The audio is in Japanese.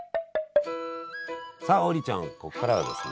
さあ王林ちゃんこっからはですね